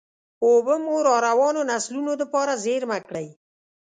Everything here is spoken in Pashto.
اوبه مو راروانو نسلونو دپاره زېرمه کړئ.